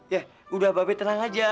ya udah babi tenang aja